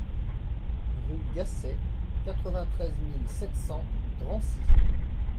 Rue Gasset, quatre-vingt-treize mille sept cents Drancy